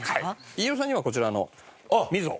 飯尾さんにはこちらの瑞秀。